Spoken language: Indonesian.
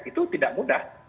itu tidak mudah